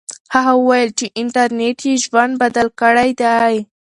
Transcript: هغه وویل چې انټرنیټ یې ژوند بدل کړی دی.